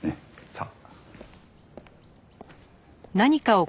さあ。